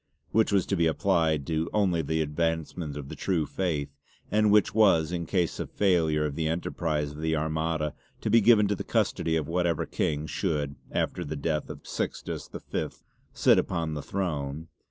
Which was to be applied to only the advancement of the True Faith, and which was in case of failure of the enterprise of the Armada to be given to the custody of whatever King should, after the death of Sixtus V, sit upon the throne.